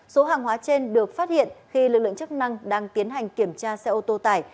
số hàng hóa trên được phát hiện khi lực lượng chức năng đang tiến hành kiểm tra xe ô tô tải